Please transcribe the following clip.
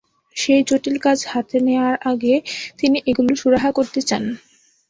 সেই জটিল কাজ হাতে নেওয়ার আগে তিনি এগুলোর সুরাহা করতে চান।